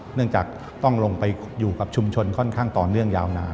เนื่องจากต้องลงไปอยู่กับชุมชนค่อนข้างต่อเนื่องยาวนาน